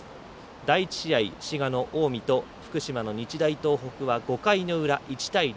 第１試合、滋賀の近江と福島の日大東北は５回の裏、１対０。